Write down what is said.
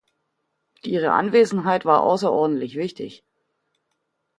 Ihre Anwesenheit war außerordentlich wichtig.